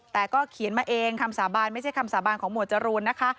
แต่ก็เขียนมาเองคำสาบานไม่ใช่คำสาบานของหมวดจรูนนะคะ